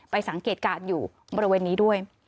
สังเกตการณ์อยู่บริเวณนี้ด้วย